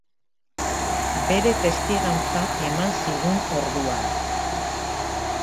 Bere testigantza eman zigun orduan.